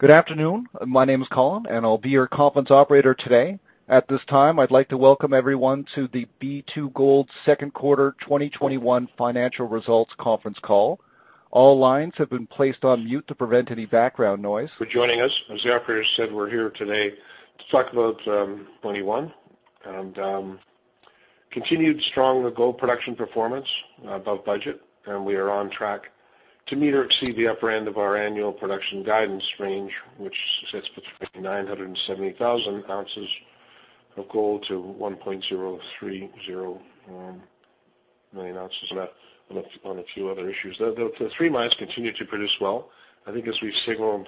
Good afternoon. My name is Colin, and I'll be your conference operator today. At this time, I'd like to welcome everyone to the B2Gold Second Quarter 2021 financial results conference call. All lines have been placed on mute to prevent any background noise. For joining us. As the operator said, we're here today to talk about Q1 and continued strong gold production performance above budget, and we are on track to meet or exceed the upper end of our annual production guidance range, which sits between 970,000 ounces of gold to 1.030 million ounces. On a few other issues, the three mines continue to produce well. I think as we've signaled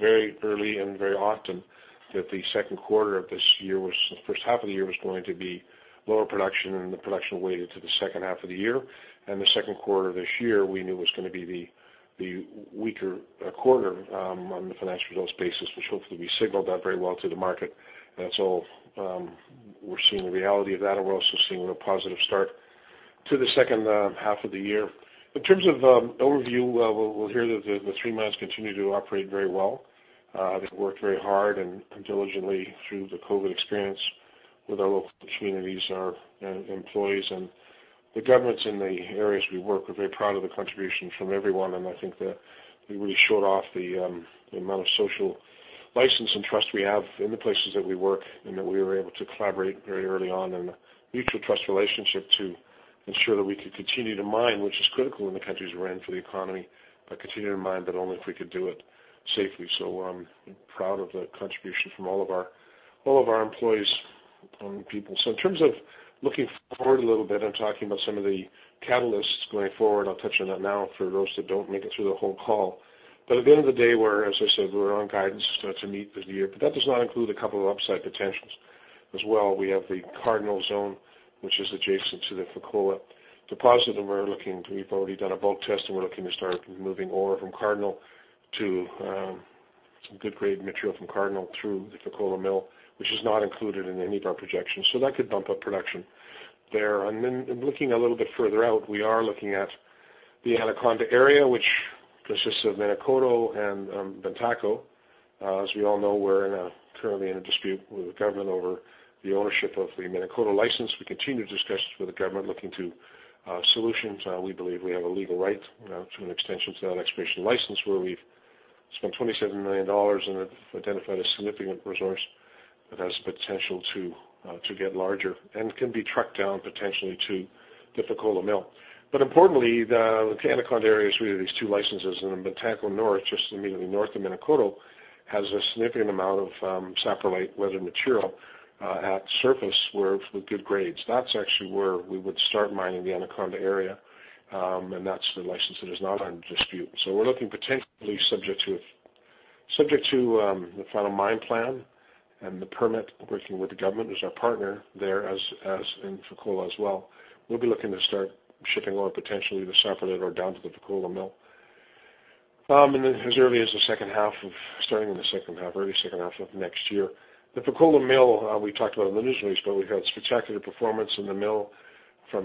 very early and very often that the second quarter of this year was the first half of the year was going to be lower production, and the production weighted to the second half of the year. The second quarter of this year, we knew was going to be the weaker quarter on the financial results basis, which hopefully we signaled that very well to the market. We're seeing the reality of that, and we're also seeing a positive start to the second half of the year. In terms of overview, we'll hear that the three mines continue to operate very well. They've worked very hard and diligently through the COVID experience with our local communities, our employees, and the governments in the areas we work. We're very proud of the contribution from everyone, and I think that we really showed off the amount of social license and trust we have in the places that we work and that we were able to collaborate very early on in a mutual trust relationship to ensure that we could continue to mine, which is critical in the countries we're in for the economy, but continue to mine, but only if we could do it safely. I'm proud of the contribution from all of our employees and people. In terms of looking forward a little bit, I'm talking about some of the catalysts going forward. I'll touch on that now for those that don't make it through the whole call. At the end of the day, as I said, we're on guidance to meet the year. That does not include a couple of upside potentials as well. We have the Cardinal Zone, which is adjacent to the Fekola deposit, and we've already done a bulk test, and we're looking to start moving ore from Cardinal to some good grade material from Cardinal through the Fekola mill, which is not included in any of our projections. That could bump up production there. Then looking a little bit further out, we are looking at the Anaconda Area, which consists of Menankoto and Bantako. As we all know, we're currently in a dispute with the government over the ownership of the Menankoto license. We continue discussions with the government looking to solutions. We believe we have a legal right to an extension to that exploration license, where we've spent $27 million and have identified a significant resource that has potential to get larger and can be trucked down potentially to the Fekola mill. Importantly, the Anaconda Area is really these two licenses, and Bantako North, just immediately north of Menankoto, has a significant amount of saprolite weathered material at surface with good grades. That's actually where we would start mining the Anaconda Area, and that's the license that is not under dispute. We're looking potentially subject to the final mine plan and the permit working with the government as our partner there as in Fekola as well. We'll be looking to start shipping ore potentially, the saprolite ore, down to the Fekola mill. As early as the second half of, starting in the second half, early second half of next year. The Fekola mill, we talked about in the news release, but we've had spectacular performance in the mill from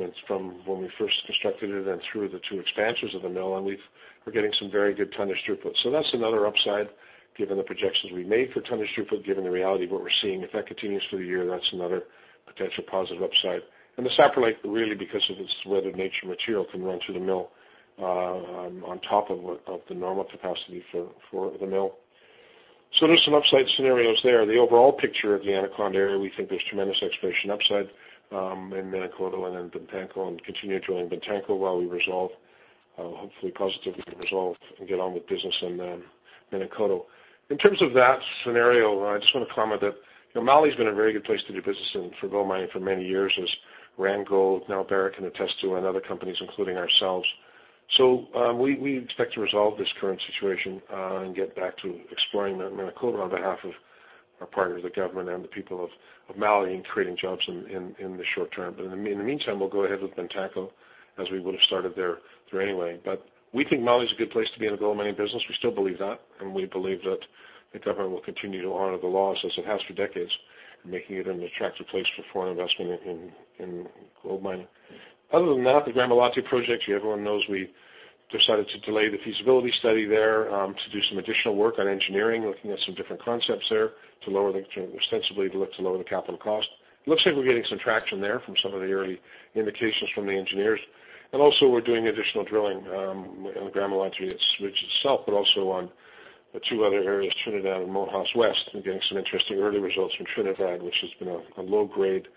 when we first constructed it and through the two expansions of the mill, and we're getting some very good tonnage throughput. That's another upside given the projections we made for tonnage throughput, given the reality of what we're seeing. If that continues through the year, that's another potential positive upside. The saprolite, really because of its weathered nature material, can run through the mill on top of the normal capacity for the mill. There's some upside scenarios there. The overall picture of the Anaconda Area, we think there's tremendous exploration upside in Menankoto and in Bantako and continue drilling Bantako while we resolve, hopefully positively resolve and get on with business in Menankoto. In terms of that scenario, I just want to comment that Mali's been a very good place to do business in for gold mining for many years, as Randgold, now Barrick, can attest to, and other companies, including ourselves. We expect to resolve this current situation and get back to exploring Menankoto on behalf of our partners, the government, and the people of Mali and creating jobs in the short term. In the meantime, we'll go ahead with Bantako as we would've started there anyway. We think Mali's a good place to be in the gold mining business. We still believe that, and we believe that the government will continue to honor the laws as it has for decades, making it an attractive place for foreign investment in gold mining. Other than that, the Gramalote project, everyone knows we decided to delay the feasibility study there to do some additional work on engineering, looking at some different concepts there ostensibly to lower the capital cost. It looks like we're getting some traction there from some of the early indications from the engineers. Also we're doing additional drilling in the Gramalote itself, but also on the two other areas, Trinidad and Monjas West. We're getting some interesting early results from Trinidad, which has been a low grade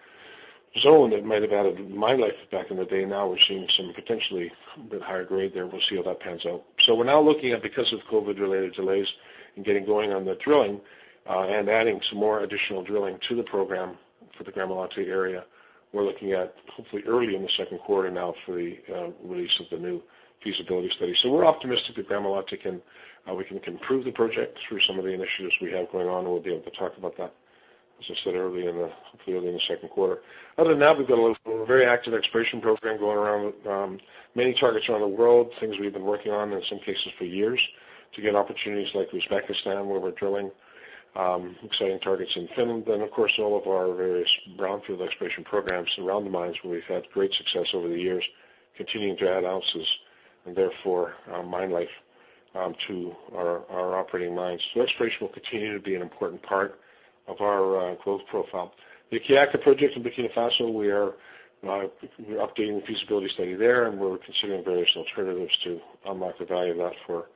zone that might have added mine life back in the day. We're seeing some potentially a bit higher grade there. We'll see how that pans out. We're now looking at, because of COVID related delays in getting going on the drilling and adding some more additional drilling to the program for the Gramalote area, we're looking at hopefully early in the second quarter now for the release of the new feasibility study. We're optimistic that Gramalote, we can improve the project through some of the initiatives we have going on, and we'll be able to talk about that, as I said, hopefully early in the second quarter. Other than that, we've got a very active exploration program going around many targets around the world, things we've been working on in some cases for years to get opportunities like Uzbekistan, where we're drilling exciting targets in Finland. Of course, all of our various brownfield exploration programs around the mines where we've had great success over the years, continuing to add ounces and therefore mine life to our operating mines. Exploration will continue to be an important part of our growth profile. The Kiaka project in Burkina Faso, we're updating the feasibility study there, and we're considering various alternatives to unlock the value of that for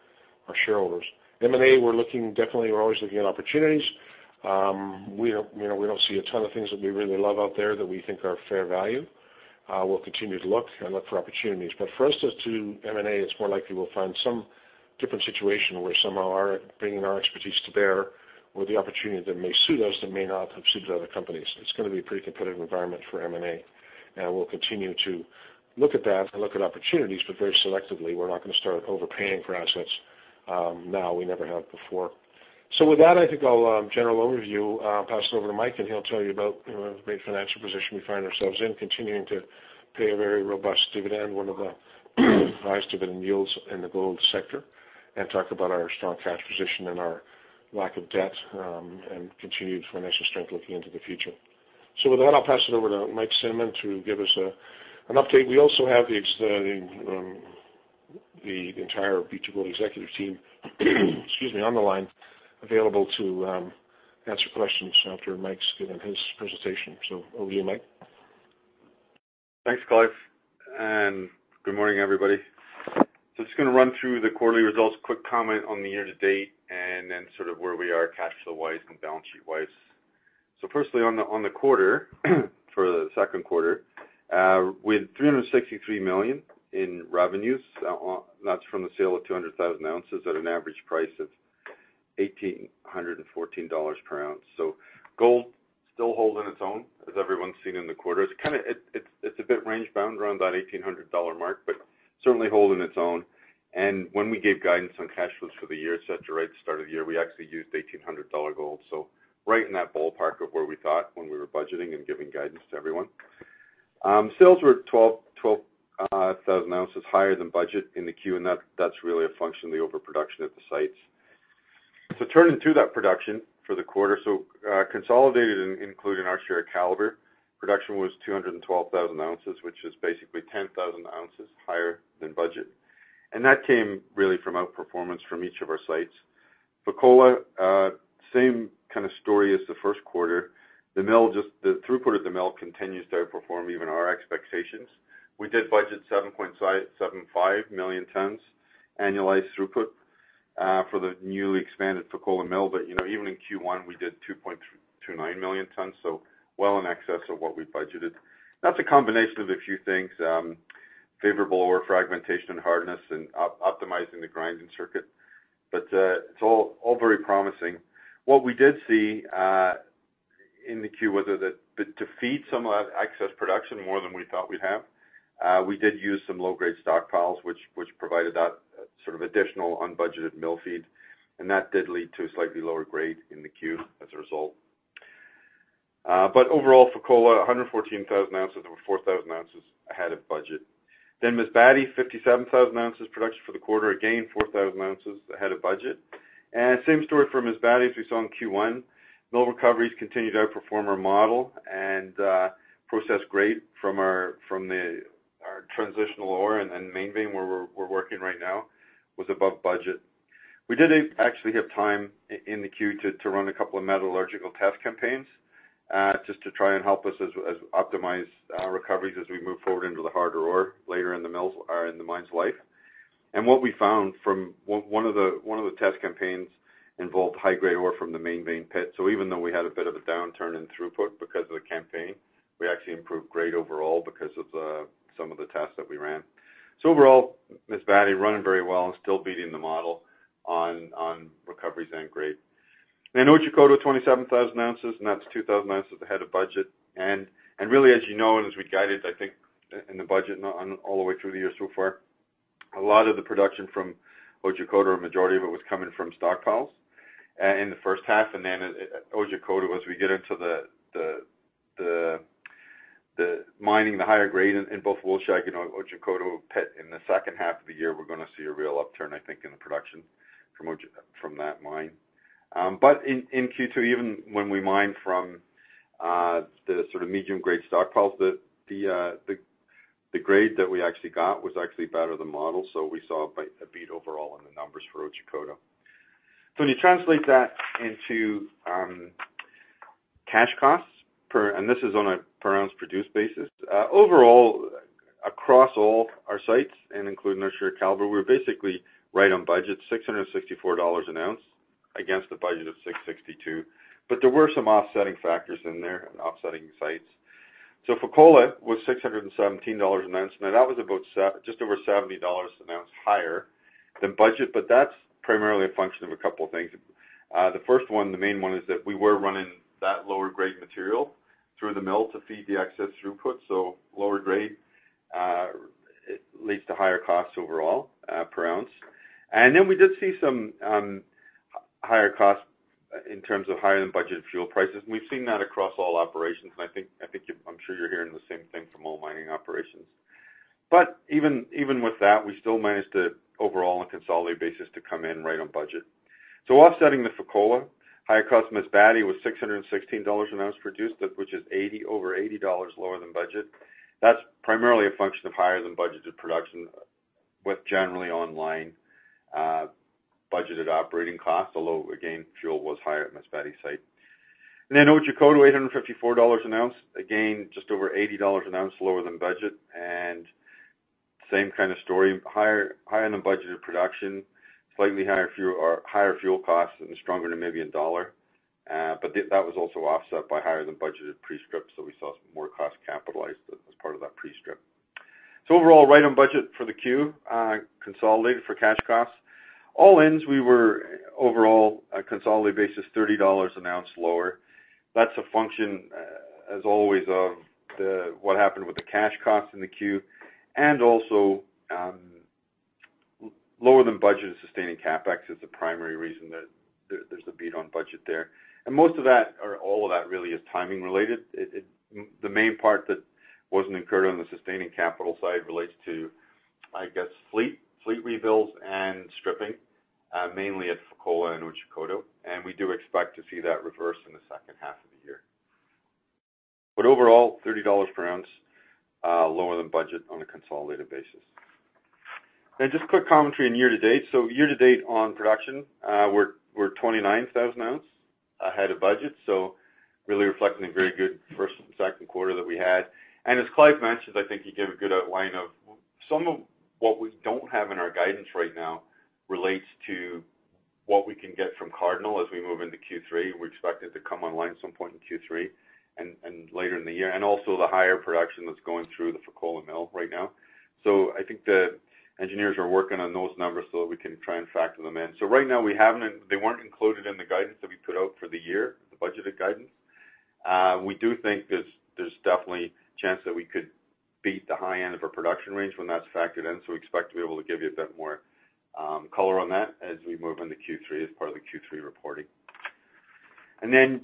our shareholders. M&A, we're definitely always looking at opportunities. We don't see a ton of things that we really love out there that we think are fair value. We'll continue to look and look for opportunities. For us as to M&A, it's more likely we'll find some different situation where somehow bringing our expertise to bear or the opportunity that may suit us that may not have suited other companies. It's going to be a pretty competitive environment for M&A, and we'll continue to look at that and look at opportunities, but very selectively. We're not going to start overpaying for assets now. We never have before. With that, I think I'll general overview, pass it over to Mike and he'll tell you about the great financial position we find ourselves in, continuing to pay a very robust dividend, one of the highest dividend yields in the gold sector. Talk about our strong cash position and our lack of debt, and continued financial strength looking into the future. With that, I'll pass it over to Mike Cinnamond to give us an update. We also have the entire B2Gold executive team on the line available to answer questions after Mike's given his presentation. Over to you, Mike. Thanks, Clive. Good morning, everybody. Just going to run through the quarterly results, quick comment on the year-to-date, and then sort of where we are cash flow-wise and balance sheet-wise. Firstly, on the quarter, for the second quarter, we had $363 million in revenues. That's from the sale of 200,000 ounces at an average price of $1,814 per ounce. Gold still holding its own, as everyone's seen in the quarter. It's a bit range bound around that $1,800 mark, certainly holding its own. When we gave guidance on cash flows for the year, et cetera, at the start of the year, we actually used $1,800 gold. Right in that ballpark of where we thought when we were budgeting and giving guidance to everyone. Sales were 12,000 ounces higher than budget in the Q, and that's really a function of the overproduction at the sites. Turning to that production for the quarter, consolidated and including our share at Calibre, production was 212,000 ounces, which is basically 10,000 ounces higher than budget. That came really from outperformance from each of our sites. Fekola, same kind of story as the 1st quarter. The throughput of the mill continues to outperform even our expectations. We did budget 7.75 million tons annualized throughput, for the newly expanded Fekola mill. Even in Q1 we did 2.29 million tons, well in excess of what we budgeted. That's a combination of a few things, favorable ore fragmentation and hardness and optimizing the grinding circuit. It's all very promising. What we did see, in the Q was that to feed some of that excess production more than we thought we'd have, we did use some low grade stockpiles, which provided that sort of additional unbudgeted mill feed. That did lead to a slightly lower grade in the Q as a result. Overall, Fekola, 114,000 ounces or 4,000 ounces ahead of budget. Masbate, 57,000 ounces production for the quarter. Again, 4,000 ounces ahead of budget. Same story from Masbate as we saw in Q1. Mill recoveries continue to outperform our model and process grade from our transitional ore and Main Vein where we're working right now was above budget. We did actually have time in the Q to run a couple of metallurgical test campaigns, just to try and help us optimize our recoveries as we move forward into the harder ore later in the mine's life. What we found from one of the test campaigns involved high grade ore from the Main Vein pit. Even though we had a bit of a downturn in throughput because of the campaign, we actually improved grade overall because of some of the tests that we ran. Overall, Masbate running very well and still beating the model on recoveries and grade. In Otjikoto, 27,000 ounces, and that's 2,000 ounces ahead of budget. Really, as you know, and as we guided, I think, in the budget all the way through the year so far, a lot of the production from Otjikoto, or a majority of it, was coming from stockpiles in the first half. Then at Otjikoto, as we get into the mining the higher grade in both Wolfshag and Otjikoto pit in the second half of the year, we're going to see a real upturn, I think, in the production from that mine. In Q2, even when we mined from the sort of medium grade stockpiles, the grade that we actually got was actually better than model. We saw a beat overall in the numbers for Otjikoto. When you translate that into cash costs, and this is on a per ounce produced basis. Across all our sites and including our share at Calibre, we're basically right on budget, $664 an ounce against a budget of $662. There were some offsetting factors in there and offsetting sites. Fekola was $617 an ounce. That was about just over $70 an ounce higher than budget, but that's primarily a function of a couple of things. The first one, the main one, is that we were running that lower grade material through the mill to feed the excess throughput, so lower grade leads to higher costs overall, per ounce. We did see some higher costs in terms of higher than budgeted fuel prices, and we've seen that across all operations, and I'm sure you're hearing the same thing from all mining operations. Even with that, we still managed to overall on a consolidated basis to come in right on budget. Offsetting the Fekola, higher cost at Masbate was $616 an ounce produced, which is over $80 lower than budget. That's primarily a function of higher than budgeted production with generally online budgeted operating costs, although again, fuel was higher at Masbate site. Otjikoto $854 an ounce, again, just over $80 an ounce lower than budget and same kind of story, higher than budgeted production, slightly higher fuel costs, and a stronger Namibian dollar. That was also offset by higher than budgeted pre-strip, so we saw some more cost capitalized as part of that pre-strip. Overall, right on budget for the Q, consolidated for cash costs. All-in's, we were overall a consolidated basis, $30 an ounce lower. That's a function, as always, of what happened with the cash cost in the Q, and also, lower than budgeted sustaining CapEx is the primary reason that there's a beat on budget there. Most of that, or all of that really is timing related. The main part that wasn't incurred on the sustaining capital side relates to, I guess, fleet rebuilds and stripping, mainly at Fekola and Otjikoto. We do expect to see that reverse in the second half of the year. Overall, $30 per ounce, lower than budget on a consolidated basis. Just quick commentary on year-to-date. Year-to-date on production, we're 29,000 ounce ahead of budget, so really reflecting a very good first and second quarter that we had. As Clive mentioned, I think he gave a good outline of some of what we don't have in our guidance right now relates to what we can get from Cardinal as we move into Q3. We expect it to come online at some point in Q3 and later in the year. Also the higher production that's going through the Fekola mill right now. I think the engineers are working on those numbers so that we can try and factor them in. Right now they weren't included in the guidance that we put out for the year, the budgeted guidance. We do think there's definitely a chance that we could beat the high end of our production range when that's factored in. We expect to be able to give you a bit more color on that as we move into Q3 as part of the Q3 reporting.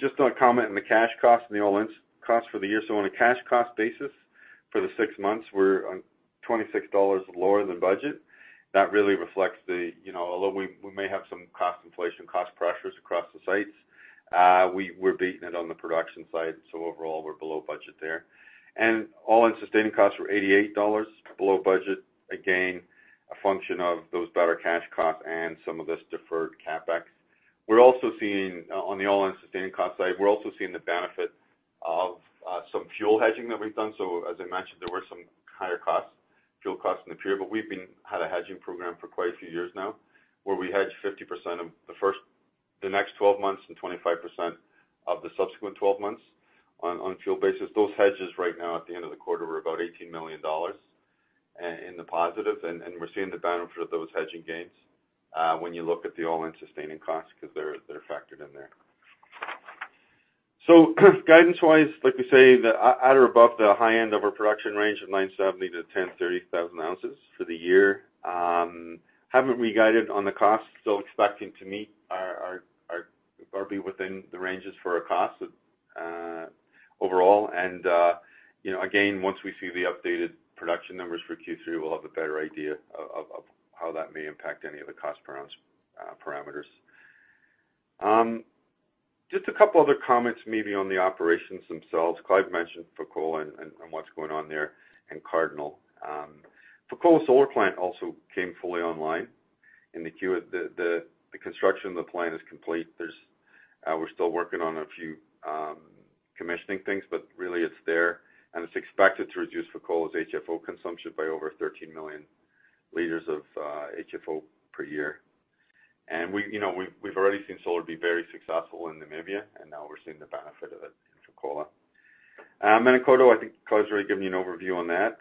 Just a comment on the cash cost and the all-in costs for the year. On a cash cost basis for the six months, we're on $26 lower than budget. That really reflects the, although we may have some cost inflation, cost pressures across the sites, we're beating it on the production side, so overall, we're below budget there. All-in sustaining costs were $88 below budget. Again, a function of those better cash costs and some of this deferred CapEx. On the all-in sustaining cost side, we're also seeing the benefit of some fuel hedging that we've done. As I mentioned, there were some higher fuel costs in the period, but we've had a hedging program for quite a few years now where we hedge 50% of the next 12 months and 25% of the subsequent 12 months on fuel basis. Those hedges right now at the end of the quarter were about $18 million in the positive, and we're seeing the benefit of those hedging gains, when you look at the all-in sustaining costs, because they're factored in there. Guidance-wise, like we say, at or above the high end of our production range of 970 thousand ounces-1,030 thousand ounces for the year. Haven't re-guided on the cost, still expecting to meet or be within the ranges for our cost overall. Once we see the updated production numbers for Q3, we'll have a better idea of how that may impact any of the cost per ounce parameters. Just a couple other comments maybe on the operations themselves. Clive mentioned Fekola and what's going on there and Cardinal. Fekola Solar Plant also came fully online in the Q. The construction of the plant is complete. We're still working on a few commissioning things, but really it's there and it's expected to reduce Fekola's HFO consumption by over 13 million liters of HFO per year. We've already seen solar be very successful in Namibia, and now we're seeing the benefit of it in Fekola. Menankoto, I think Clive's already given you an overview on that.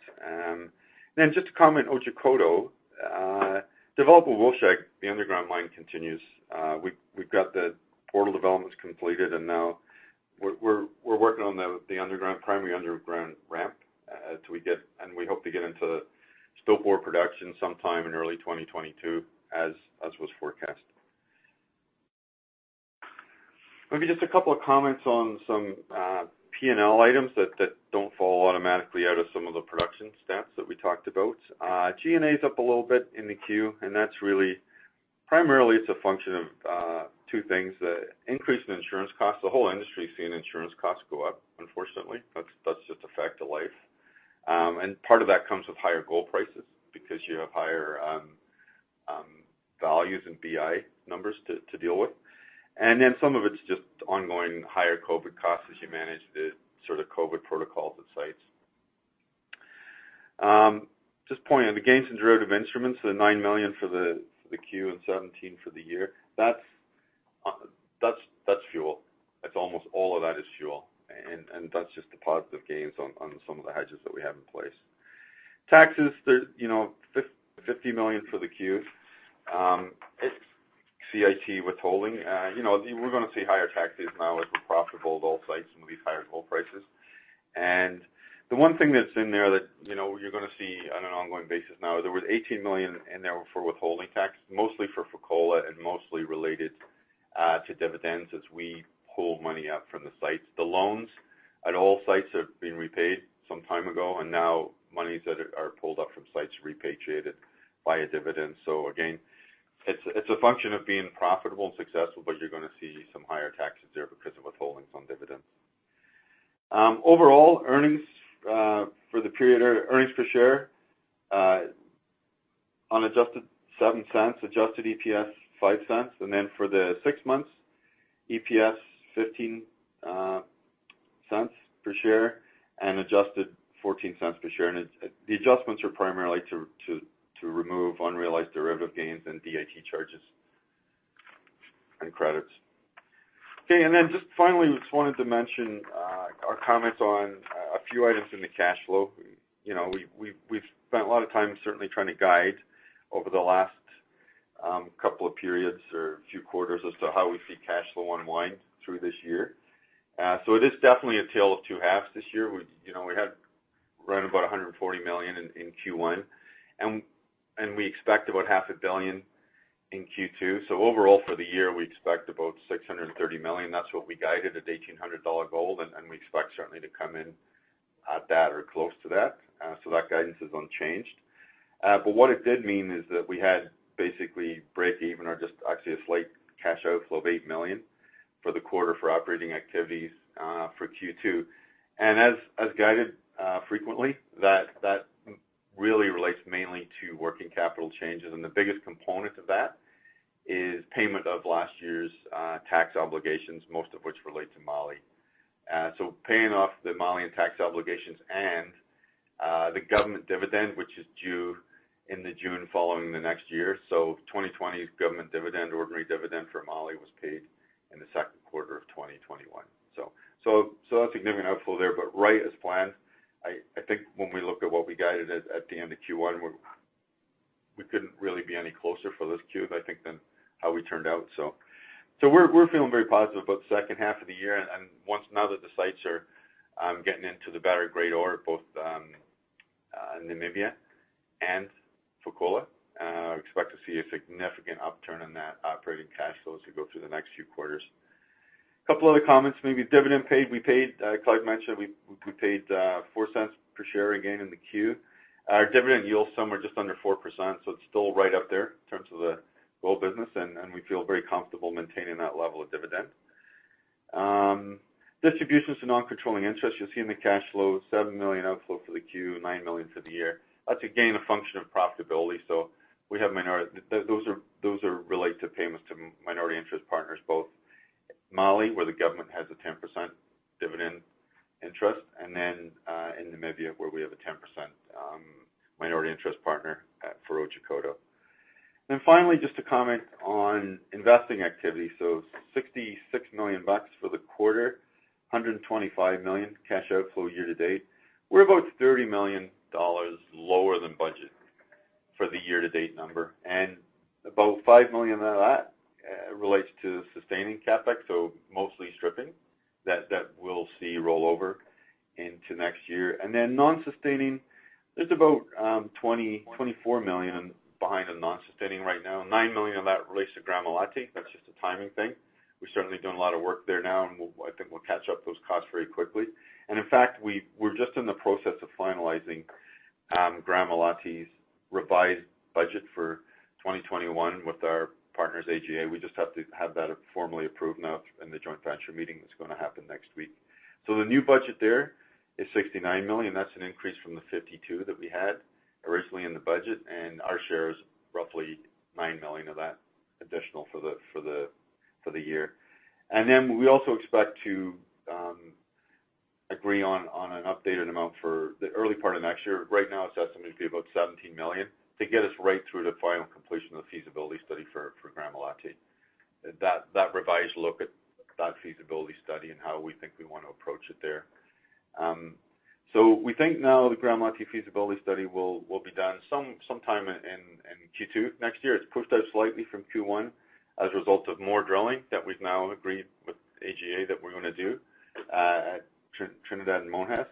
Just to comment, Otjikoto, development at Wolfshag, the underground mine continues. We've got the portal developments completed. Now we're working on the primary underground ramp, and we hope to get into stope ore production sometime in early 2022, as was forecast. Just a couple of comments on some P&L items that don't fall automatically out of some of the production stats that we talked about. G&A is up a little bit in the Q. That's really, primarily it's a function of two things, the increase in insurance costs. The whole industry is seeing insurance costs go up, unfortunately. That's just a fact of life. Part of that comes with higher gold prices because you have higher values and BI numbers to deal with. Then some of it's just ongoing higher COVID costs as you manage the COVID protocols at sites. Just pointing out the gains in derivative instruments, the $9 million for the Q and $17 for the year. That's fuel. Almost all of that is fuel, and that's just the positive gains on some of the hedges that we have in place. Taxes, $50 million for the Q. It's CIT withholding. We're going to see higher taxes now with the profitable gold sites and with these higher gold prices. The one thing that's in there that you're going to see on an ongoing basis now, there was $18 million in there for withholding tax, mostly for Fekola and mostly related to dividends as we pull money out from the sites. The loans at all sites have been repaid some time ago, and now monies that are pulled up from sites repatriated via dividends. Again, it's a function of being profitable and successful, but you're going to see some higher taxes there because of withholdings on dividends. Overall earnings for the period, earnings per share on adjusted, $0.07, adjusted EPS $0.05. Then for the six months, EPS, $0.15 per share and adjusted $0.14 per share. The adjustments are primarily to remove unrealized derivative gains and DIT charges and credits. Okay. Then just finally, just wanted to mention, our comments on a few items in the cash flow. We've spent a lot of time certainly trying to guide over the last couple of periods or few quarters as to how we see cash flow unwind through this year. It is definitely a tale of two halves this year. We had around about $140 million in Q1, and we expect about half a billion in Q2. Overall, for the year, we expect about $630 million. That's what we guided at $1,800 gold, and we expect certainly to come in at that or close to that. That guidance is unchanged. What it did mean is that we had basically break even or just actually a slight cash outflow of $8 million for the quarter for operating activities, for Q2. As guided frequently, that really relates mainly to working capital changes. The biggest component of that is payment of last year's tax obligations, most of which relate to Mali. Paying off the Malian tax obligations and the government dividend, which is due in the June following the next year. 2020's government dividend, ordinary dividend for Mali was paid in the second quarter of 2021. A significant outflow there, but right as planned. I think when we look at what we guided at the end of Q1, we couldn't really be any closer for this Q, I think, than how we turned out. We're feeling very positive about the second half of the year. Now that the sites are getting into the better grade ore, both Namibia and Fekola, I expect to see a significant upturn in that operating cash flow as we go through the next few quarters. Couple other comments, maybe dividend paid. As Clive mentioned, we paid $0.04 per share again in the Q. Our dividend yield somewhere just under 4%, so it's still right up there in terms of the gold business, and we feel very comfortable maintaining that level of dividend. Distributions to non-controlling interests. You'll see in the cash flow, $7 million outflow for the Q, $9 million for the year. That's again, a function of profitability. Those are related to payments to minority interest partners, both Mali, where the government has a 10% dividend interest, and in Namibia, where we have a 10% minority interest partner at Fekola and Otjikoto. Finally, just to comment on investing activity. $66 million for the quarter, $125 million cash outflow year-to-date. We're about $30 million lower than budget for the year to date number. About $5 million of that relates to sustaining CapEx, so mostly stripping that we'll see roll over into next year. Non-sustaining, there's about $24 million behind the non-sustaining right now. $9 million of that relates to Gramalote. That's just a timing thing. We're certainly doing a lot of work there now, and I think we'll catch up those costs very quickly. In fact, we're just in the process of finalizing Gramalote's revised budget for 2021 with our partners, AGA. We just have to have that formally approved now in the joint venture meeting that's going to happen next week. The new budget there is $69 million. That's an increase from the $52 million that we had originally in the budget, and our share is roughly $9 million of that additional for the year. Then we also expect to agree on an updated amount for the early part of next year. Right now, it's estimated to be about $17 million to get us right through to final completion of the feasibility study for Gramalote's. That revised look at that feasibility study and how we think we want to approach it there. We think now the Gramalote's feasibility study will be done sometime in Q2 next year. It's pushed out slightly from Q1 as a result of more drilling that we've now agreed with AGA that we're going to do, at Trinidad and Monjas.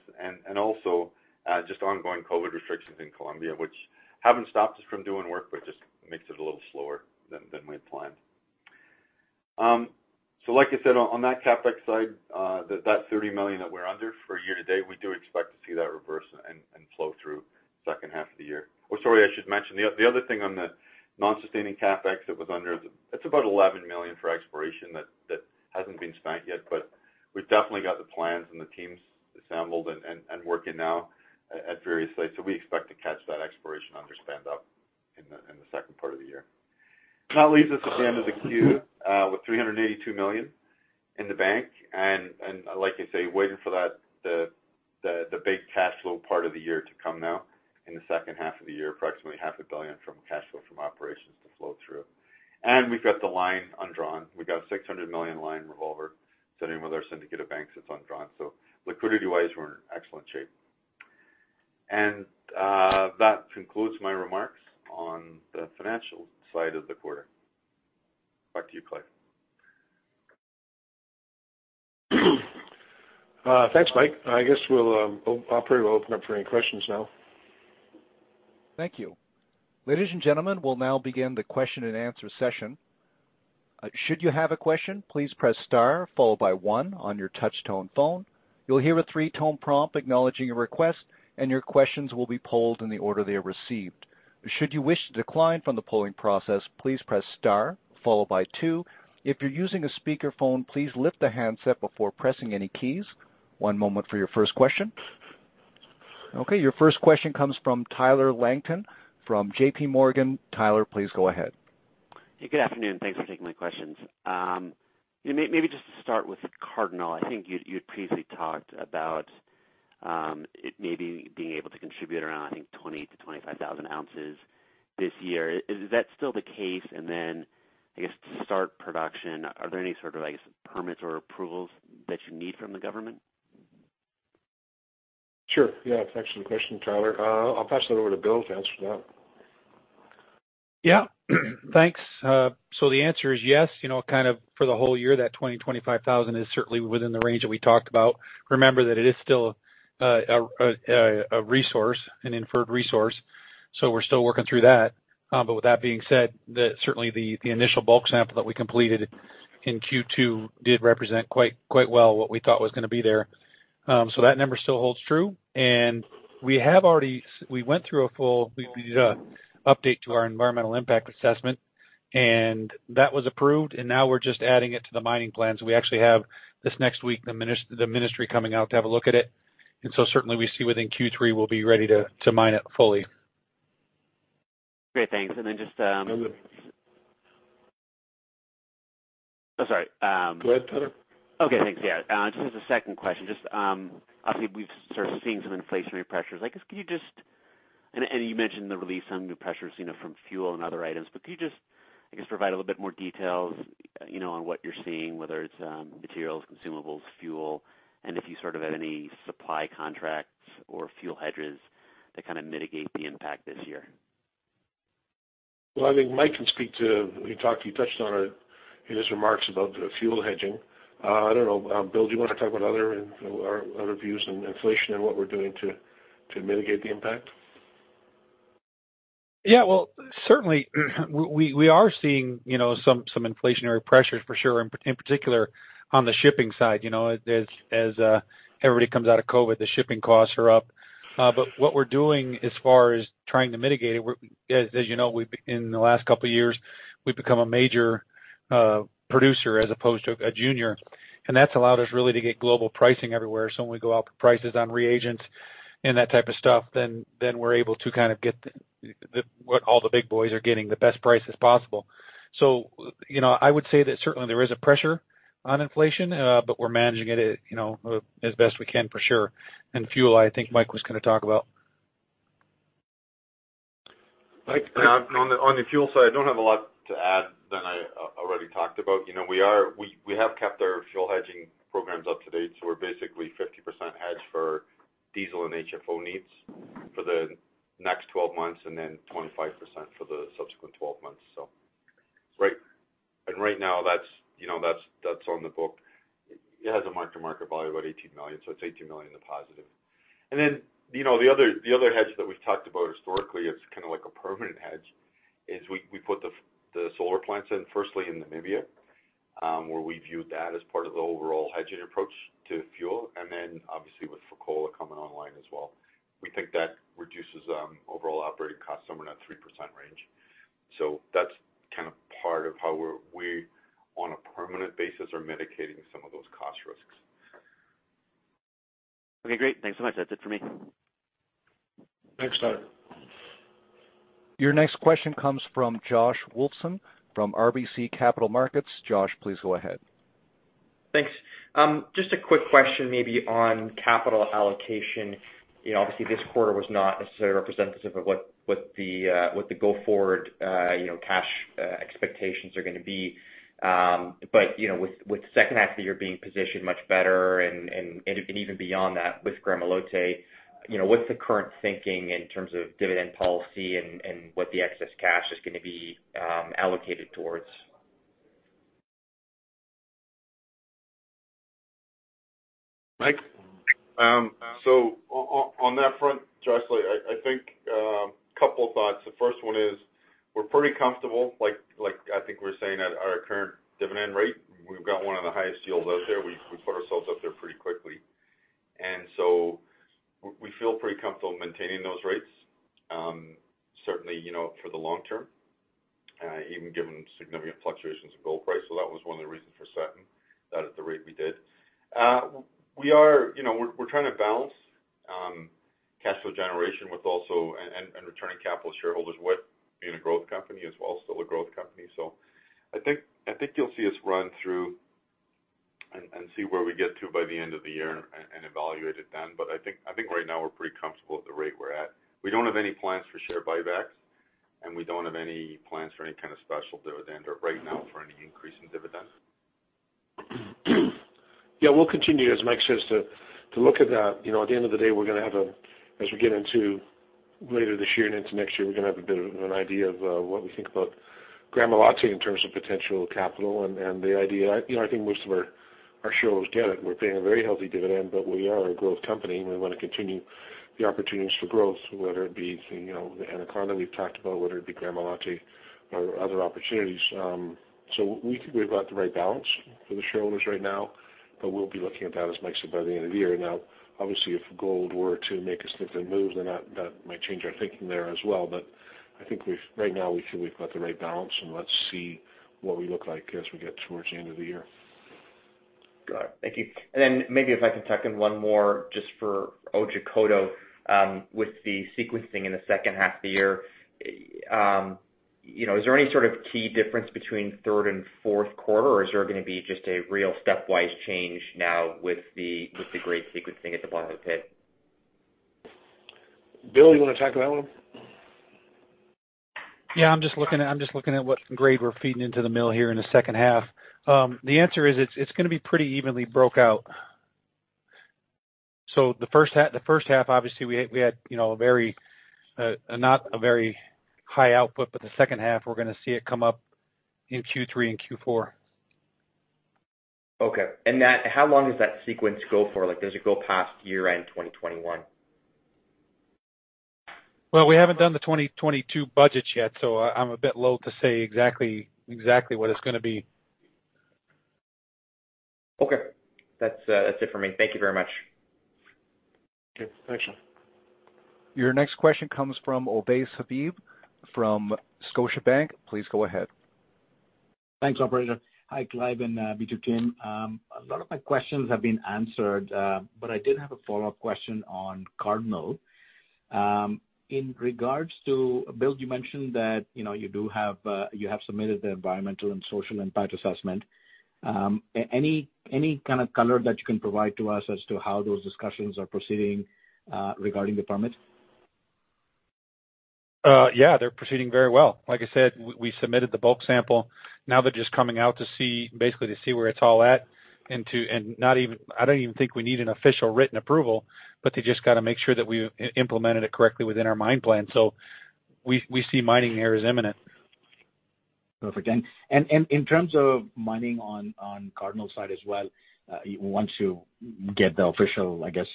Just ongoing COVID restrictions in Colombia, which haven't stopped us from doing work, but just makes it a little slower than we had planned. On that CapEx side, that $30 million that we're under for year-to-date, we do expect to see that reverse and flow through second half of the year. The other thing on the non-sustaining CapEx that was under, it's about $11 million for exploration that hasn't been spent yet, but we've definitely got the plans and the teams assembled and working now at various sites. We expect to catch that exploration underspend up in the second part of the year. That leaves us at the end of the Q with $382 million in the bank. Like I say, waiting for the big cash flow part of the year to come now in the second half of the year, approximately half a billion from cash flow from operations to flow through. We've got the line undrawn. We've got a $600 million line revolver sitting with our syndicate of banks that's undrawn. Liquidity-wise, we're in excellent shape. That concludes my remarks on the financial side of the quarter. Back to you, Clive. Thanks, Mike. I guess we'll operate. We'll open up for any questions now. Thank you. Ladies and gentlemen, we'll now begin the question-and-answer session. And should you have a question, please press star followed by one on your touchstone phone, you will hear a three-tone prompt acknowledging your request, and your question will be pulled on the they are received. Should you wish to decline from the polling process, please press star followed by two. If you are using a speakerphone, please lift the handset before pressing any keys. One moment for the first question. Your first question comes from Tyler Langton from JPMorgan. Tyler, please go ahead. Hey, good afternoon. Thanks for taking my questions. Maybe just to start with Cardinal, I think you had previously talked about it maybe being able to contribute around, I think, 20,000 ounces-25,000 ounces this year. Is that still the case? I guess to start production, are there any sort of, I guess, permits or approvals that you need from the government? Sure. Yeah. Thanks for the question, Tyler. I'll pass that over to Bill to answer that. Yeah. Thanks. The answer is yes, for the whole year, that 20,000 ounces, 25,000 ounces is certainly within the range that we talked about. Remember that it is still a resource, an inferred resource, so we're still working through that. With that being said, certainly the initial bulk sample that we completed in Q2 did represent quite well what we thought was going to be there. That number still holds true. We went through a full update to our environmental impact assessment, and that was approved, and now we're just adding it to the mining plans. We actually have this next week, the ministry coming out to have a look at it. Certainly we see within Q3, we'll be ready to mine it fully. Great, thanks. Go ahead. Oh, sorry. Go ahead, Tyler. Okay, thanks. Yeah. Just as a second question, obviously we've started seeing some inflationary pressures. You mentioned the release on new pressures, from fuel and other items, but could you just, I guess, provide a little bit more details, on what you're seeing, whether it's materials, consumables, fuel, and if you sort of have any supply contracts or fuel hedges that kind of mitigate the impact this year? Well, I think Mike can speak to, he touched on it in his remarks about the fuel hedging. I don't know. Bill, do you want to talk about our other views on inflation and what we're doing to mitigate the impact? Yeah. Well, certainly, we are seeing some inflationary pressures for sure, in particular on the shipping side. As everybody comes out of COVID, the shipping costs are up. What we're doing as far as trying to mitigate it, as you know, in the last couple of years, we've become a major producer as opposed to a junior. That's allowed us really to get global pricing everywhere. When we go out for prices on reagents and that type of stuff, then we're able to get what all the big boys are getting, the best prices possible. I would say that certainly there is a pressure on inflation, but we're managing it as best we can for sure. Fuel, I think Mike was going to talk about. Mike, go ahead. On the fuel side, I don't have a lot to add than I already talked about. We have kept our fuel hedging programs up to date, so we're basically 50% hedged for diesel and HFO needs for the next 12 months, and then 25% for the subsequent 12 months. Right now, that's on the book. It has a mark-to-market value of about $18 million, so it's $18 million in the positive. The other hedge that we've talked about historically, it's kind of like a permanent hedge, is we put the solar plants in, firstly in Namibia, where we viewed that as part of the overall hedging approach to fuel, and then obviously with Fekola coming online as well. We think that reduces overall operating costs somewhere in that 3% range. That's part of how we, on a permanent basis, are mitigating some of those cost risks. Okay, great. Thanks so much. That's it for me. Thanks, Tyler. Your next question comes from Josh Wolfson from RBC Capital Markets. Josh, please go ahead. Thanks. Just a quick question maybe on capital allocation. Obviously, this quarter was not necessarily representative of what the go-forward cash expectations are going to be. With the second half of the year being positioned much better and even beyond that with Gramalote, what's the current thinking in terms of dividend policy and what the excess cash is going to be allocated towards? Mike? On that front, Josh, I think a couple of thoughts. The first one is we're pretty comfortable, I think we're saying at our current dividend rate. We've got one of the highest yields out there. We put ourselves up there pretty quickly. We feel pretty comfortable maintaining those rates, certainly, for the long term, even given significant fluctuations in gold price. That was one of the reasons for setting that at the rate we did. We're trying to balance cash flow generation and returning capital to shareholders with being a growth company as well, still a growth company. I think you'll see us run through and see where we get to by the end of the year and evaluate it then. I think right now we're pretty comfortable at the rate we're at. We don't have any plans for share buybacks, and we don't have any plans for any kind of special dividend or right now for any increase in dividend. Yeah, we'll continue, as Mike says, to look at that. At the end of the day, as we get into later this year and into next year, we're going to have a bit of an idea of what we think about Gramalote in terms of potential capital and the idea. I think most of our shareholders get it. We're paying a very healthy dividend, but we are a growth company, and we want to continue the opportunities for growth, whether it be the Anaconda we've talked about, whether it be Gramalote or other opportunities. We think we've got the right balance for the shareholders right now, but we'll be looking at that, as Mike said, by the end of the year. Now, obviously, if gold were to make a significant move, then that might change our thinking there as well. I think right now we feel we've got the right balance, and let's see what we look like as we get towards the end of the year. Got it. Thank you. Maybe if I can tuck in one more just for Otjikoto. With the sequencing in the second half of the year, is there any sort of key difference between third and fourth quarter, or is there going to be just a real stepwise change now with the grade sequencing at the bottom of the pit? Bill, you want to tackle that one? Yeah. I'm just looking at what grade we're feeding into the mill here in the second half. The answer is it's going to be pretty evenly broke out. The first half, obviously, we had not a very high output, but the second half, we're going to see it come up in Q3 and Q4. Okay. How long does that sequence go for? Does it go past year-end 2021? Well, we haven't done the 2022 budgets yet, so I'm a bit loath to say exactly what it's going to be. Okay. That's it for me. Thank you very much. Okay. Thanks, Josh. Your next question comes from Ovais Habib from Scotiabank. Please go ahead. Thanks, operator. Hi, Clive and B2 team. A lot of my questions have been answered, but I did have a follow-up question on Cardinal. In regards to Bill, you mentioned that you have submitted the environmental and social impact assessment. Any kind of color that you can provide to us as to how those discussions are proceeding regarding the permits? Yeah, they're proceeding very well. Like I said, we submitted the bulk sample. They're just coming out basically to see where it's all at. I don't even think we need an official written approval, but they just got to make sure that we implemented it correctly within our mine plan. We see mining there as imminent. Perfect. In terms of mining on Cardinal's side as well, once you get the official, I guess,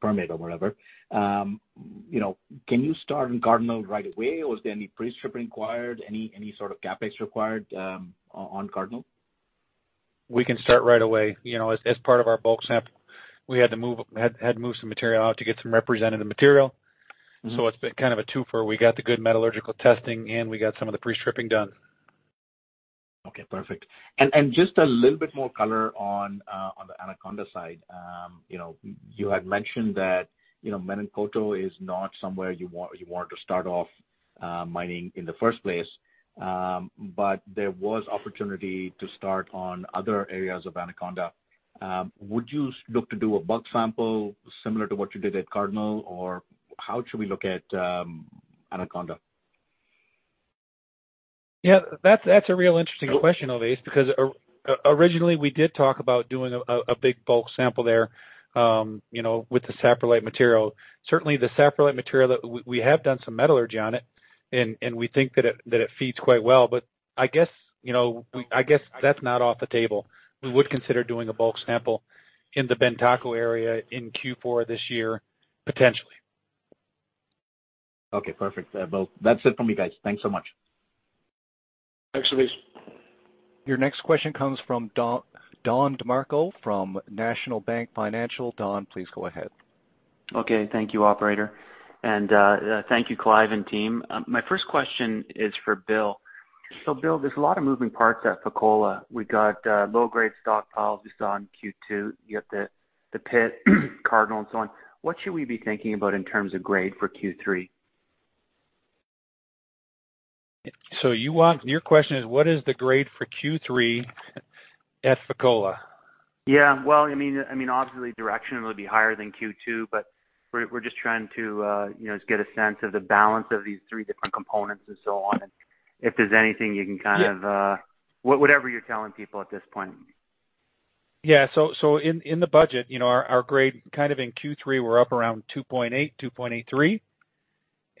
permit or whatever, can you start on Cardinal right away, or is there any pre-strip required, any sort of CapEx required on Cardinal? We can start right away. As part of our bulk sample, we had to move some material out to get some representative material. It's been kind of a two-fer. We got the good metallurgical testing, and we got some of the pre-stripping done. Okay, perfect. Just a little bit more color on the Anaconda side. You had mentioned that Menankoto is not somewhere you wanted to start off mining in the first place. There was opportunity to start on other areas of Anaconda. Would you look to do a bulk sample similar to what you did at Cardinal, or how should we look at Anaconda? Yeah, that's a real interesting question, Ovais, because originally we did talk about doing a big bulk sample there with the saprolite material. Certainly, the saprolite material, we have done some metallurgy on it, and we think that it feeds quite well. I guess that's not off the table. We would consider doing a bulk sample in the Bantako area in Q4 this year, potentially. Okay, perfect. That's it from me, guys. Thanks so much. Thanks, Ovais. Your next question comes from Don DeMarco from National Bank Financial. Don, please go ahead. Okay. Thank you, operator, and thank you, Clive and team. My first question is for Bill. Bill, there's a lot of moving parts at Fekola. We got low-grade stockpiles we saw in Q2. You got the pit, Cardinal, and so on. What should we be thinking about in terms of grade for Q3? Your question is, what is the grade for Q3 at Fekola? Yeah. Well, obviously, directionally it will be higher than Q2, but we're just trying to just get a sense of the balance of these three different components and so on. If there's anything you can kind of, whatever you're telling people at this point. Yeah. In the budget, our grade, kind of in Q3, we're up around 2.8 g/tons,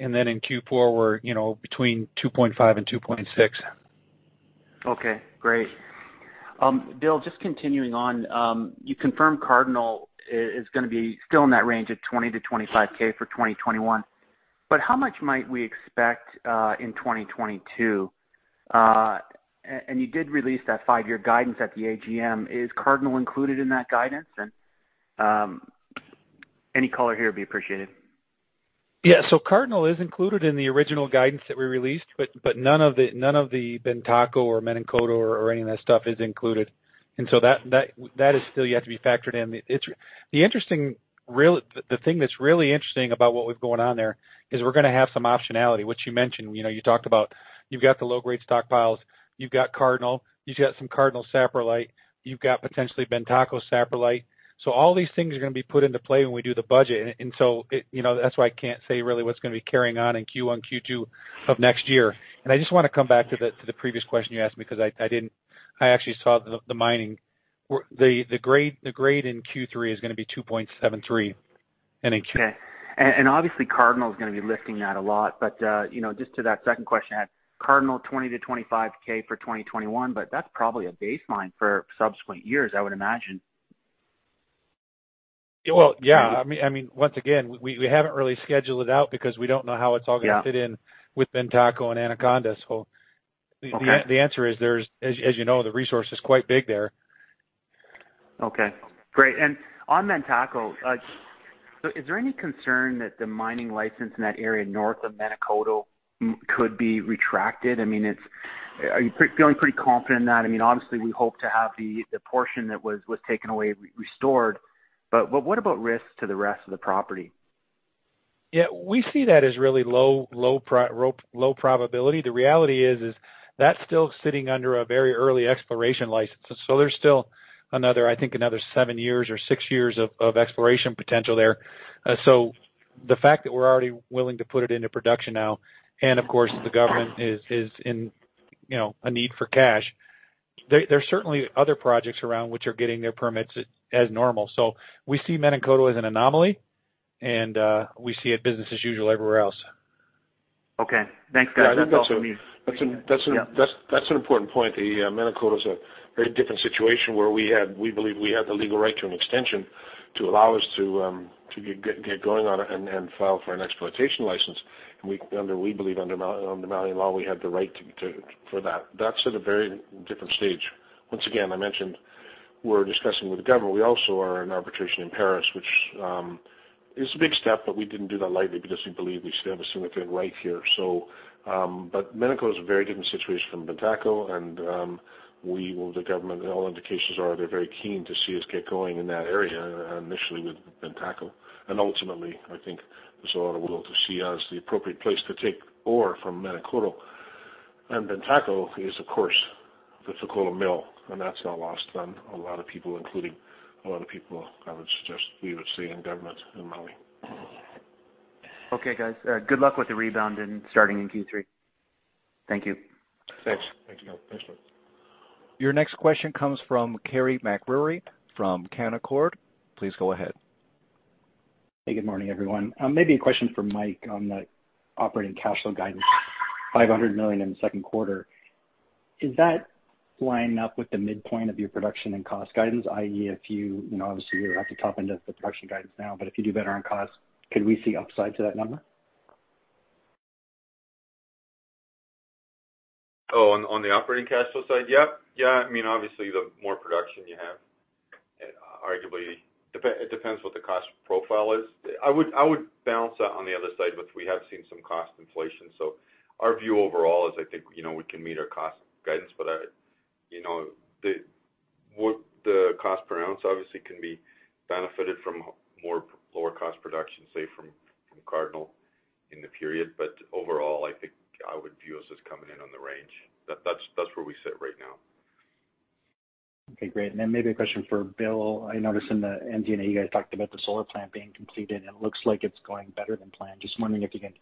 2.83 g/tons. Then in Q4, we're between 2.5 g/tons and 2.6 g/tons. Okay, great. Bill, just continuing on. You confirmed Cardinal is going to be still in that range of 20,000 ounces -25,000 ounces for 2021. How much might we expect in 2022? You did release that five-year guidance at the AGM. Is Cardinal included in that guidance? Any color here would be appreciated. Yeah. Cardinal is included in the original guidance that we released, but none of the Bantako or Menankoto or any of that stuff is included. That still has to be factored in. The thing that's really interesting about what was going on there is we're going to have some optionality, which you mentioned. You talked about, you've got the low-grade stockpiles, you've got Cardinal, you've got some Cardinal saprolite, you've got potentially Bantako saprolite. All these things are going to be put into play when we do the budget, that's why I can't say really what's going to be carrying on in Q1, Q2 of next year. I just want to come back to the previous question you asked me, because I actually saw the mining grade in Q3 is going to be 2.73 g/tons. Okay. Obviously Cardinal is going to be lifting that a lot. Just to that second question, at Cardinal 20,000 ounces-25,000 ounces for 2021, that is probably a baseline for subsequent years, I would imagine. Well, yeah. Once again, we haven't really scheduled it out because we don't know how it's all going to fit in with Bantako and Anaconda. The answer is, as you know, the resource is quite big there. Okay, great. On Bantako, is there any concern that the mining license in that area north of Menankoto could be retracted? Are you feeling pretty confident in that? Obviously we hope to have the portion that was taken away restored, what about risks to the rest of the property? Yeah, we see that as really low probability. There's still I think another seven years or six years of exploration potential there. The fact that we're already willing to put it into production now, and of course the government is in a need for cash. There's certainly other projects around which are getting their permits as normal. We see Menankoto as an anomaly, and we see it business as usual everywhere else. Okay. Thanks, guys. That's all for me. That's an important point. The Menankoto is a very different situation where we believe we have the legal right to an extension to allow us to get going on it and file for an exploitation license. We believe under Malian law, we have the right for that. That's at a very different stage. Once again, I mentioned we're discussing with the government. We also are in arbitration in Paris, which is a big step, but we didn't do that lightly because we believe we still have a significant right here. Menankoto is a very different situation from Bantako, and the government, all indications are they're very keen to see us get going in that area, initially with Bantako. Ultimately, I think there's a lot of will to see us the appropriate place to take ore from Menankoto. Bantako is of course, the Fekola mill, and that's not lost on a lot of people, including a lot of people I would suggest we would see in government in Mali. Okay, guys. Good luck with the rebound and starting in Q3. Thank you. Thanks. Thanks, Don DeMarco. Thanks, Don DeMarco. Your next question comes from Carey MacRury from Canaccord Genuity. Please go ahead. Hey, good morning, everyone. Maybe a question for Mike on the operating cash flow guidance, $500 million in the second quarter. Is that lining up with the midpoint of your production and cost guidance, i.e, if you, obviously you're at the top end of the production guidance now, but if you do better on cost, could we see upside to that number? on the operating cash flow side? Yep. Yeah, obviously the more production you have, arguably, it depends what the cost profile is. I would balance that on the other side with we have seen some cost inflation. Our view overall is I think, we can meet our cost guidance. The cost per ounce obviously can be benefited from more lower cost production, say from Cardinal in the period. Overall, I think I would view us as coming in on the range. That's where we sit right now. Okay, great. Then maybe a question for Bill. I noticed in the MD&A, you guys talked about the solar plant being completed, and it looks like it's going better than planned. Wondering if you can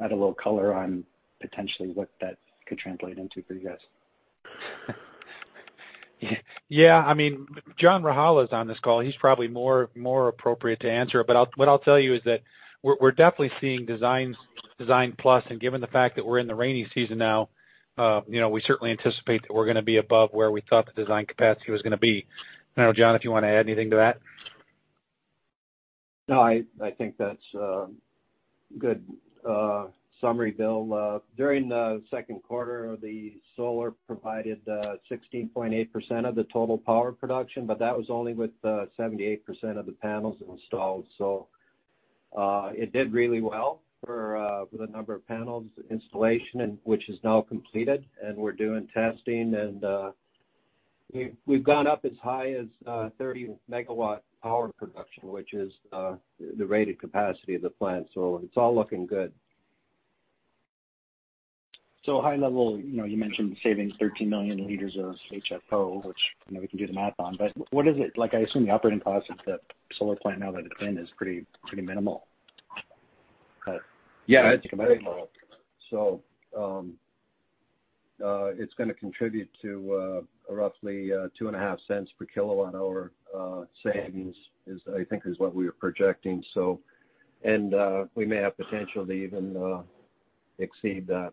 add a little color on potentially what that could translate into for you guys. Yeah, John Rajala is on this call. He's probably more appropriate to answer it, but what I'll tell you is that we're definitely seeing design plus, and given the fact that we're in the rainy season now, we certainly anticipate that we're going to be above where we thought the design capacity was going to be. I don't know, John, if you want to add anything to that. I think that's a good summary, Bill. During the second quarter, the solar provided 16.8% of the total power production, that was only with 78% of the panels installed. It did really well for the number of panels installation, which is now completed, and we're doing testing and we've gone up as high as 30 MW power production, which is the rated capacity of the plant. It's all looking good. High level, you mentioned saving 13 million liters of HFO, which we can do the math on, but what is it, I assume the operating cost of the solar plant now that it's in is pretty minimal. Yeah. It's going to contribute to roughly $0.025 per kilowatt hour savings, is I think is what we are projecting. We may have potential to even exceed that.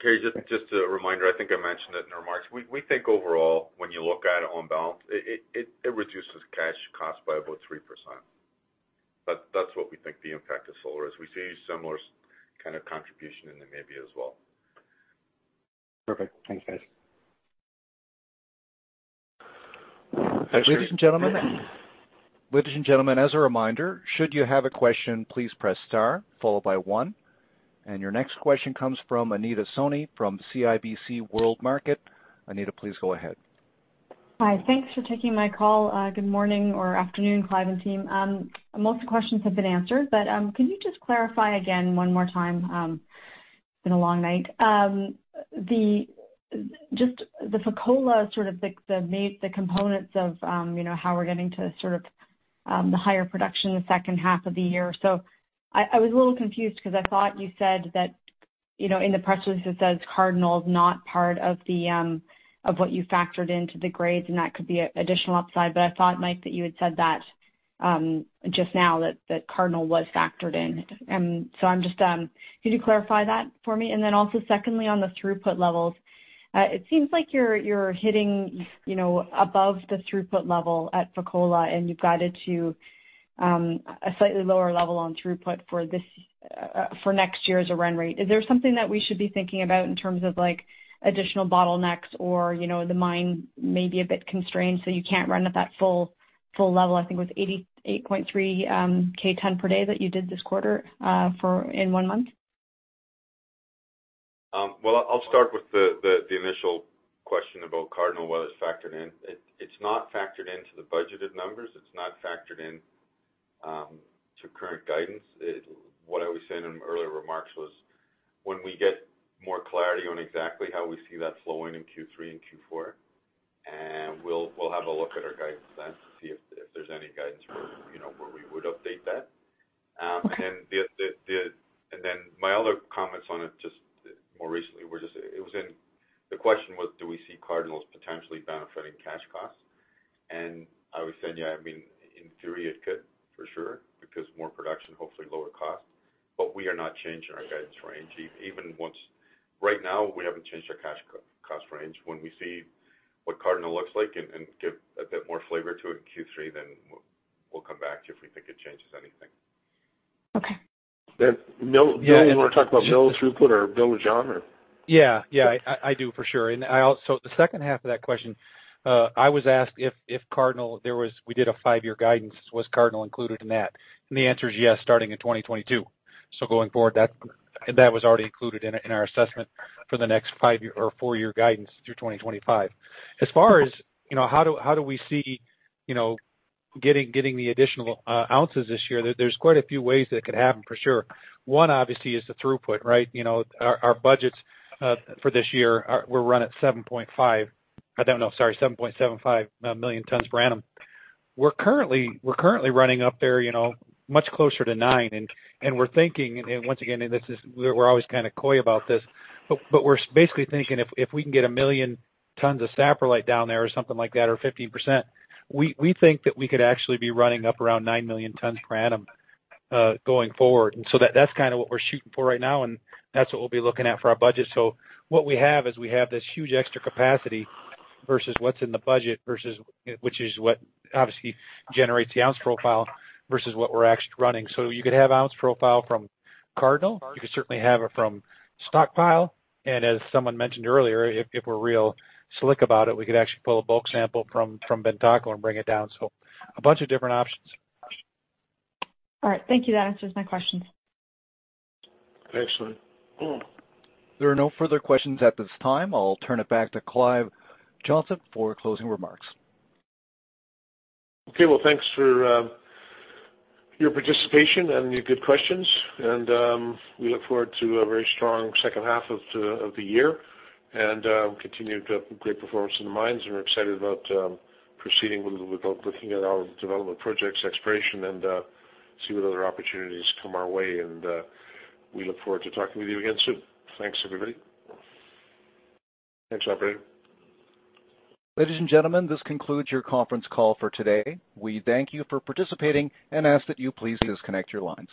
Carey MacRury, just a reminder, I think I mentioned it in our marks. We think overall, when you look at it on balance, it reduces cash cost by about 3%. That's what we think the impact of solar is. We see a similar kind of contribution in Namibia as well. Perfect. Thanks, guys. Ladies and gentlemen, as a reminder, should you have a question, please press star followed by one. Your next question comes from Anita Soni from CIBC World Markets. Anita, please go ahead. Hi. Thanks for taking my call. Good morning or afternoon, Clive and team. Most of the questions have been answered. Can you just clarify again one more time, it's been a long night. Just the Fekola, sort of the components of how we're getting to the higher production in the second half of the year. I was a little confused because I thought you said that in the press release it says Cardinal is not part of what you factored into the grades, and that could be additional upside. I thought, Mike, that you had said that just now, that Cardinal was factored in. Could you clarify that for me? Also secondly, on the throughput levels, it seems like you're hitting above the throughput level at Fekola, and you've guided to a slightly lower level on throughput for next year as a run rate. Is there something that we should be thinking about in terms of additional bottlenecks or the mine may be a bit constrained, so you can't run at that full level, I think it was 88,300 ton per day that you did this quarter in one month? Well, I'll start with the initial question about Cardinal, whether it's factored in. It's not factored into the budgeted numbers. It's not factored into current guidance. What I was saying in my earlier remarks was, when we get more clarity on exactly how we see that flowing in Q3 and Q4, we'll have a look at our guidance then to see if there's any guidance where we would update that. Okay. Then my other comments on it, just more recently, the question was, do we see Cardinal potentially benefiting cash costs? I was saying, yeah, in theory it could, for sure, because more production, hopefully lower cost. We are not changing our guidance range. Right now, we haven't changed our cash cost range. When we see what Cardinal looks like and give a bit more flavor to it in Q3, then we'll come back to you if we think it changes anything. Okay. Do you want to talk about mill throughput or Bill or John, or? Yeah, I do, for sure. The second half of that question, I was asked if Cardinal, we did a five-year guidance, was Cardinal included in that? The answer is yes, starting in 2022. Going forward, that was already included in our assessment for the next five or four-year guidance through 2025. As far as how do we see getting the additional ounces this year, there's quite a few ways that it could happen, for sure. one, obviously, is the throughput, right? Our budgets for this year were run at 7.5 tons. I don't know, sorry, 7.75 million tons per annum. We're currently running up there much closer to nine, and we're thinking, and once again, we're always kind of coy about this, but we're basically thinking if we can get a million tons of saprolite down there or something like that, or 15%, we think that we could actually be running up around 9 million tons per annum going forward. That's what we're shooting for right now, and that's what we'll be looking at for our budget. What we have is we have this huge extra capacity versus what's in the budget, which is what obviously generates the ounce profile versus what we're actually running. You could have ounce profile from Cardinal, you could certainly have it from stockpile, and as someone mentioned earlier, if we're real slick about it, we could actually pull a bulk sample from Bantako and bring it down. A bunch of different options. All right. Thank you. That answers my questions. Excellent. Cool. There are no further questions at this time. I'll turn it back to Clive Johnson for closing remarks. Okay. Well, thanks for your participation and your good questions. We look forward to a very strong second half of the year and continued great performance in the mines. We are excited about proceeding with looking at our development projects, exploration, and see what other opportunities come our way. We look forward to talking with you again soon. Thanks, everybody. Thanks, operator. Ladies and gentlemen, this concludes your conference call for today. We thank you for participating and ask that you please disconnect your lines.